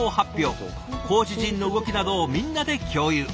コーチ陣の動きなどをみんなで共有。